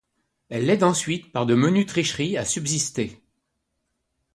Elle l'aide ensuite par de menues tricheries à subsister.